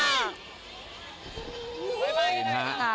สวัสดีค่ะ